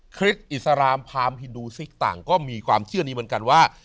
คลิปอิสรามพามฮินดูซิกต่างก็มีความเชื่อนี้เหมือนกันว่า